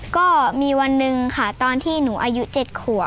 ก็มีวันหนึ่งค่ะตอนที่หนูอายุ๗ขวบ